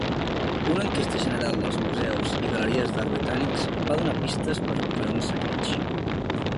Una enquesta general dels museus i galeries d'art britànics va donar pistes per a un saqueig.